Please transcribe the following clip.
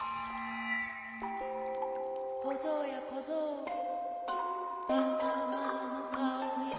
「こぞうやこぞうばさまのかおをみろ」